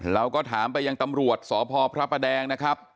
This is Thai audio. เราก็ถามไปยังตำรวจสพพระประแดงนะครับ